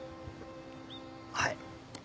はい。